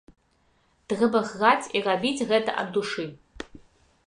Трэба граць і рабіць гэта ад душы.